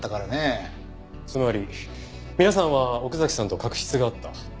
つまり皆さんは奥崎さんと確執があった。